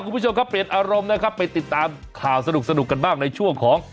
คุณผู้ชมครับเปลี่ยนอารมณ์นะครับไปติดตามข่าวสนุกกันบ้างในช่วงของ